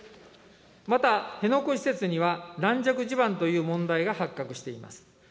また、辺野古移設には軟弱地盤という問題が発覚しています。